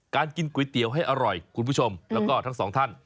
กินก๋วยเตี๋ยวให้อร่อยคุณผู้ชมแล้วก็ทั้งสองท่าน